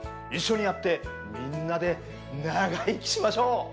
一緒にやってみんなで長生きしましょう！